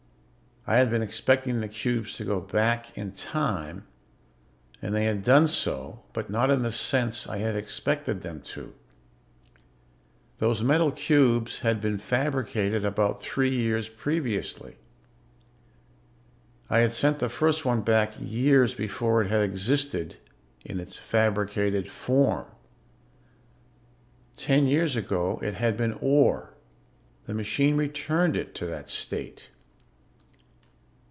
I had been expecting the cubes to go back in time, and they had done so, but not in the sense I had expected them to. Those metal cubes had been fabricated about three years previously. I had sent the first one back years before it had existed in its fabricated form. Ten years ago it had been ore. The machine returned it to that state.